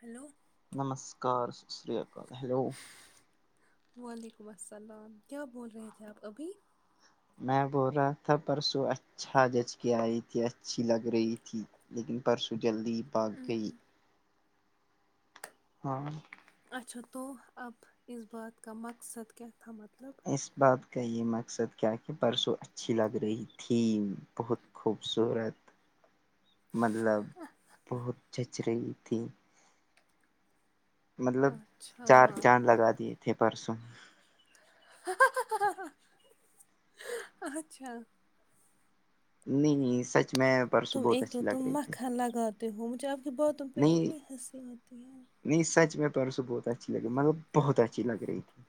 Hello نمسکار سسیکار hello وعلیکم السلام کیا بول رہے تھے آپ ابھی میں بول رہا تھا پرسوں اچھا جچ کے آئی تھی اچھی لگ رہی تھی لیکن پرسوں جلدی ہی بھاگ گئی ہاں اچھا تو اب اس بات کا مقصد کیا تھا مطلب اس بات کا یہ مقصد کیا کہ پرسوں اچھی لگ رہی تھی بہت خوبصورت [inaudible] مطلب بہت جچ رہی تھی مطلب اچھا چار چاند لگا دیے تھے پرسوں اچھا نہیں نہیں سچ میں پرسوں تم بہت اک تو اچھی لگ تم رہی تھی مکھن لگات تے ہو مجھے آپ کی باتوں پہ نہیں اتنی ہنسی آتی ہے نہیں سچ میں پرسوں بہت اچھی لگی مطلب بہت اچھی لگ رہی تھی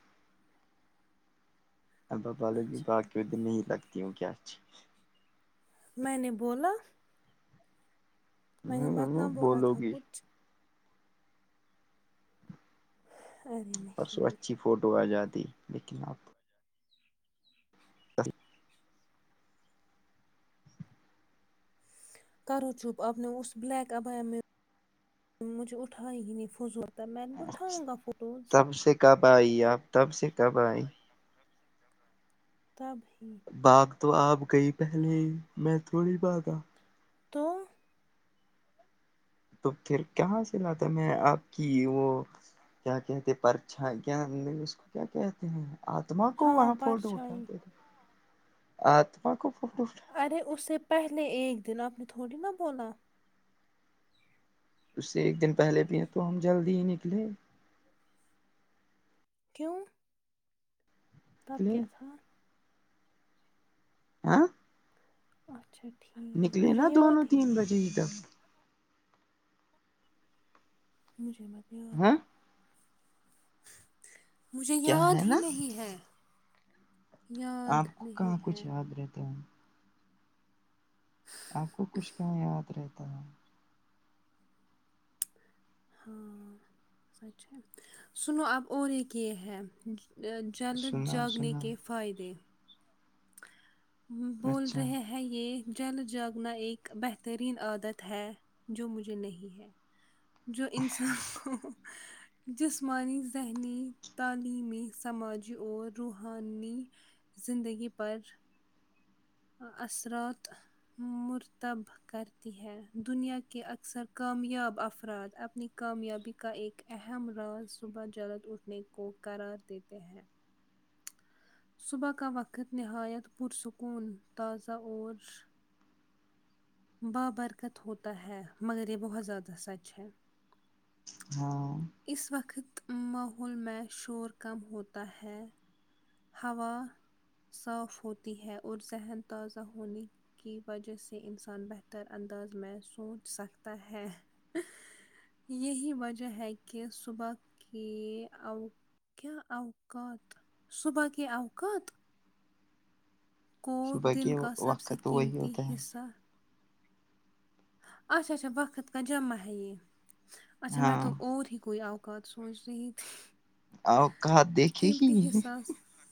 [inaudible] اب بولوگی اچھا باکی دن نہیں لگتی ہوں کیا اچھی میں نے بولا میں نے مت نہ بولا بولو تھا گی کچھ ارے پرسوں نہیں اچھی فوٹو آ جاتی لیکن آپ [unintelligible] کرو چپ آپ نے اس بلیک ابیا میں مجھے اٹھائی ہیی نہیں فضول تھا۔ میں اٹھاؤں گا فوٹوز تب سے کب آئی آپ تب سے کب آئی تب ہی باگ تو آپ گئی پہلے ہی میں تھوڑی بھاگا تو تو پھر کہاں سے لاتا میں آپ کی وہ کیا کہتے ہیں پرچھائی کیا ہندی میں اس کو کیا کہتے ہیں آتما کو ہاں وہاں فوٹو پرچھائی اٹھاتے تھے آتما کو فوٹو ارے اسے پہلے ایک دن اپنی تھوڑی نا بولا اس سے ایک دن پہلے بھی ہیں تو ہم جلدی ہی نکلے کیوں تب نکلے کیا تھا آں اچھا ٹھیک نکلے مجھے نا یاد دونوں ہی تین نہیں بجے ہے ہی تک مجھے مزے یاد ہاں ہے مجھے کیا یاد ہے ہی نا نہیں ہے یاد آپ کو نہیں کہاں ہے کچھ یاد رہتا ہے آپ کو کچھ کہاں یاد رہتا ہے ہاں سچ ہے سنو اب اور ایک یہ ہے جلد سنا جاگنے سنا کے فائدے بول اچھا رہے ہے ہے یہ جلد جاگنا ایک بہترین عادت ہے جو مجھے نہیں ہے جو انسان کو جسمانی ذہنی تعلیمی سماجی اور روحانی زندگی پر اثرات مرتب کرتی ہے دنیا کے اکثر کامیاب افراد اپنی کامیابی کا ایک اہم راز صبح جلد اٹھنے کو قرار دیتے ہیں صبح کا وقت نہایت پرسکون تازہ اور بہ برکت ہوتا ہے مگر یہ بہت زیادہ سچ ہے ہاں اس وقت ماحول میں شور کم ہوتا ہے ہوا صاف ہوتی ہے اور ذہن تازہ ہونی کی وجہ سے انسان بہتر انداز میں سونچ سکتا ہے یہی وجہ ہے کہ صبح کی اب کیا اوقات صبح کے اوقات کو صبح دن کے کا سب سے وقت وہی قیمتی ہوتا ہے حصہ اچھا اچھا وقت کا جمع ہے یہ اچا میں ہاں تو اور ہی کوئی آؤ بات سوچ رہی تھی اوقات دیکھے ہی نہیں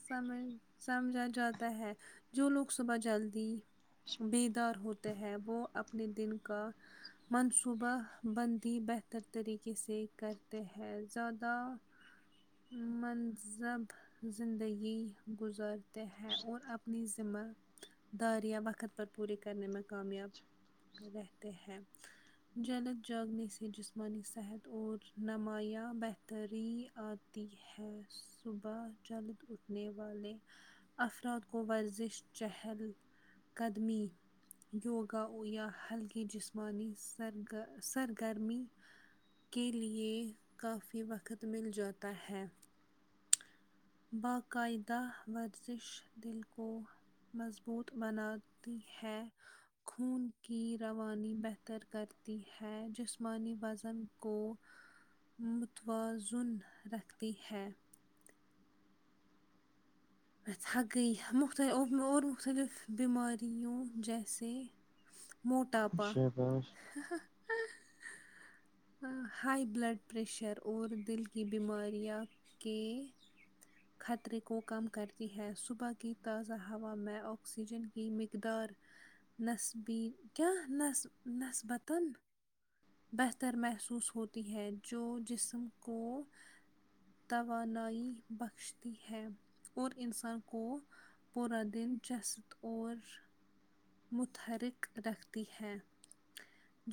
سمج سمجھا جاتا ہے جو لوگ صبح جلدی بیدار ہوتے ہے وہ اپنے دن کا منصوبہ بندی بہتر طریقے سے کرتے ہیں زیادہ منصب زندگی گزارتے ہیں اور اپنی ذمہ داریاں وقت پر پوری کرنے میں کامیاب رہتے ہیں چلو جلدی سے جسمانی صحت اور نمایاں بہتری آتی ہے ہے صبح جلد اٹھنے والے افراد کو ورزش چہل قدمی یوگا ہویا ہلکی جسمانی سر گر سرگرمی کے لیے کافی وقت مل جاتا ہے باقاعدہ ورزش دل کو مضبوط بناتی ہے خون کی روانی بہتر کرتی ہے جسمانی وزن کو متوازن رکھتی ہے میں تھک گئی مختلف اور مختلف بیماریوں جیسے موٹاپا شاباش ہائی بلڈ پریشر اور دل کی بیماریاں کے خطرے کو کم کرتی ہے صبح کی تازہ ہوا میں آکسیجن کی مقدار نسبین کیایا نس نسبتان بہتر محسوس ہوتی ہے جو جسم کو توانائی بخشتی ہے اور انسان کو پورا دن چستت اور متحرک رکھتی ہے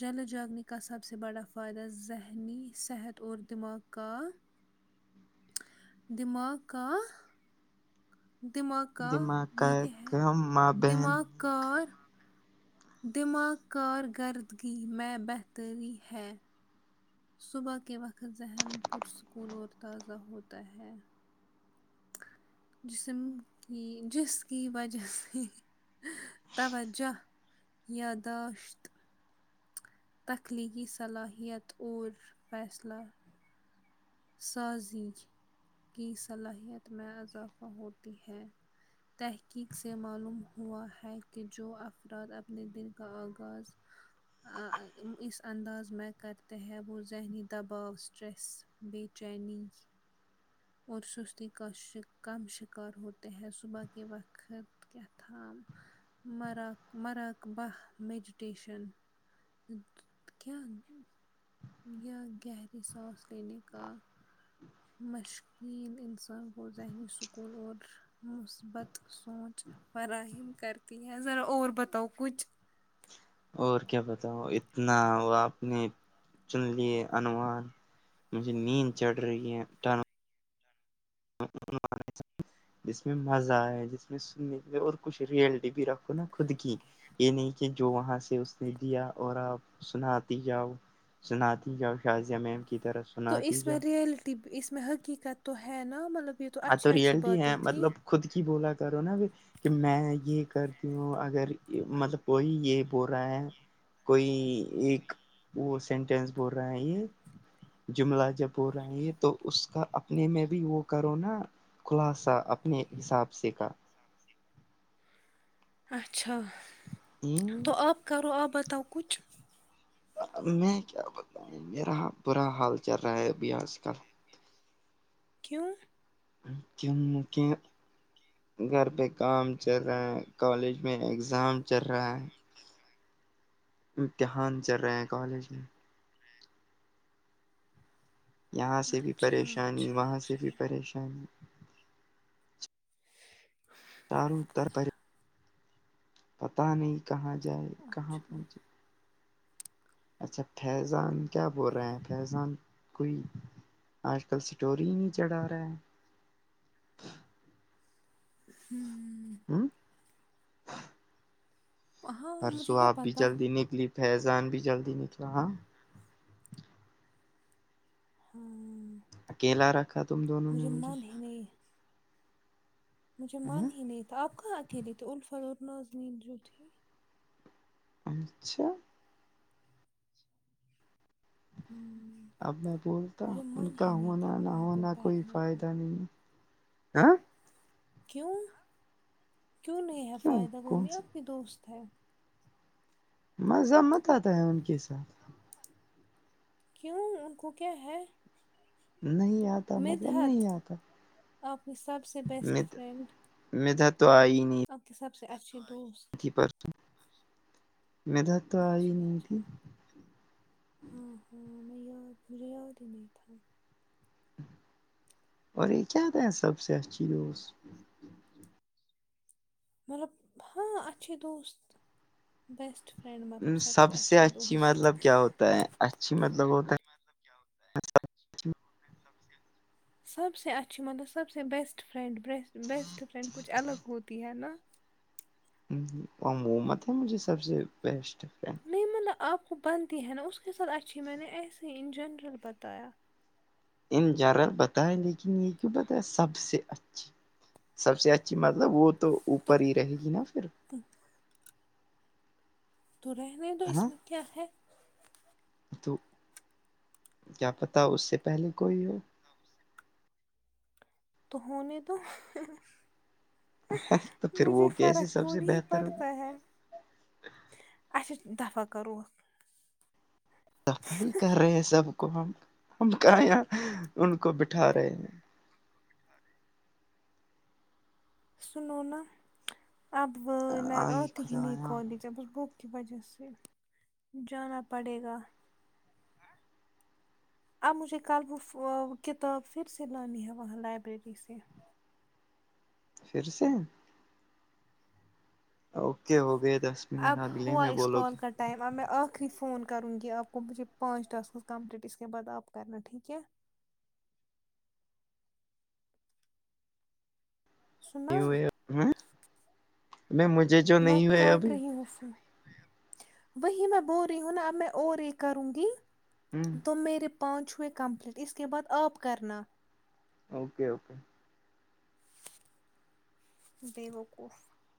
جلیں جاگنے کا سب سے بڑا فائدہ ذہنی صحت اور دماغ کا دماغ کا دماغہ دماغ کا یہ کیا ہے کم ماں بہن دماغ کار دماغ کارکردگی میں بہتری ہے صبح کے وقت ذہن پرسکون اور تازہ ہوتا ہے جسم کی جس کی وجہ سے توجہ یاداشت تخلیقی صلاحیت اور فیصلہ سازی کی صلاحیت میں اضافہ ہوتی ہے تحقیق سے معلوم ہوا ہے کہ جو افراد اپنے دل کا آغاز اس انداز میں کرتے ہیں وہ ذہنی دباؤ اسٹریس بے چینی اور سستی کا کم شکار ہوتے ہیں صبح کے وقت کیاتام مراک مراک بہ میڈیٹیشن کیا یا گہری ساس لینے کا مشقین انسان گو ذہنی سکون اور مثبت سوچ فراہم کرتی ہے ذرا اور بتاؤ کچھ اور کیا بتاؤ اتنا آپ نے چن لیے انوومان مجھے نین چڑ رہی ہے چلو جس میں مزہ آئے جس میں سننے کے اور کچھ ریئلٹی بھی رکھو نا خود کی یہ نہیں کہ جو وہاں سے اس نے دیا اور آپ سناتی جاؤ سناتی جاؤ شازیہہ میم کی طرف تو اس میں ریئلٹی ا میں حقیقت تو ہے نا مطلب یہ تو ہاں اچھی اچھی ریئلٹی باتیں ہے تھی مطلب خود کی بولا کرو نا کہ میں یہ کرتی ہوں اگر مطلب کوئی یہ بول رہا ہے کوئی ایک وہ سینٹینس بول رہا ہے یہ جملہ جب ہول رہا ہے تو اس کا اپنے میں بھی وہ کرو نا خلاصہ اپنے حساب سے کا اچھا تو آپ کرو آپ بتاؤ کچھ آب میں کیا بتاؤں میرا برا حال چل رہا ہے ابھی آج کل کیوں کیوں کی گھر پہ کام چل رہیں کالج میں اگزام چل رہا ہے امتحان چل رہے ہیں کالج میں یہاں سے بھی اچھا پریشانی اچھا وہاں سے بھی اچھا پریشانی تارو تر پری پتہ نہیں کہاں جائے کہاں اچھا ہوں پہنچے اچھا فیضان کیا بول رہے ہیں فیضان کوئی آج کل اسٹور ہی نہیں چڑھا رہا ہیں ہوں ہمم ہاں پرسوم مجھے کیا آپ بھی پتا جلدی نکلی فیضان بھی جلدی نکلا ہاں ہاں اکیلا رکھت مجھے من ہی نہیں مجھے مان ہی نہیں تھا آپ کہاں اکیلے تھے اور ناظمین جو تھی اچھا [unintelligible] اب میں بولتا مجھے ان من کا ہی نہیں تھا ہونا نہ وہاں پہ ہونا کوئی بیٹھنے کو فائدہ نہیں ہے کیوں کیوں نہیں ہے کیوں فائدہ وہ کون نہیں سا آپ کی دوست ہے مزہ مت آتا ہے ان کے ساتھ کیوں ان کو کیا ہے نہیں آتا مطلب نہیں مدحت آتا آپ کی سب سے بیسٹ نہیں فرینڈ ندھا تو آئی نہیں آپ کی سب سے اچھی دوست پرسوم ندا تو آئی اچھا نہیں اچھا تھی ہاں ہاں میں یاد مجھے یاد ہی نہیں تھا اور یہ کیا تھا سب سے اچھی دوست مطلب ہاں اچھی دوست بیسٹ فرینڈ مطلب سب سے اچھی دوست اچھی مطلب ہوتا ہے سب سے اچھی مطلب سب سے بیسٹ فرینڈ بیس بیسٹ فرینڈ کچھ الگ ہوتی ہے نا موہ مت ہیں مجھے سب سے بیسٹ فرینڈ نہیں مطلب آپ کو بنتی ہے نا اس کے ساتھ اچھی میں نے ایسے ان جنرل بتایا ان زرہ بتائے کی کیوں بتائے سب سے اچھی سب سے اچھی مطلب وہ تو اوپر ہی رہے گی نا پھر تو رہنے دو اس ہاں میں کیا ہے تو کیا پتا اس سے پہلے کوئی ہو تو ہوں نے دو تو پھر مجھے وہ کیسے فرق سب سے تھوڑی ہی بہتر ہو پڑتا ہے اچھا دفع کرو دفع ہی کر رہے ہیں سب کو ہم ہم کہاں یہاں ان کو بیٹھا رہے ہیں سونونا اب میں آئی آتی ہی نہیں خدایا کالج بک کی وجہ سے جانا پڑے گا اب مجھے کل وہ کتاب پھر سے لانی ہے وہاں لائبریری سے پھر سے اوکے ہو گئے دس منٹ اب اگلے ہوا میں اس بولو کال گے کٹ ٹائم آپ میں آخری فون کرونگی آپ کو مجھے پانچ دس کام ریپیس کے بعد آپ کرنا ٹھیک ہے سنا نہیںئے میں مجھے جو نہیں ہوئے ابھی اوفو وہی میں بول رہی ہوں نا اب میں اور ایک کروں گی ہ تم میرے پانچ ہو ئے کمپلیٹ اس کے بعد آپ کرنا اوکے اوکے بے وقوف